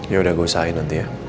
yaudah gue usahain nanti ya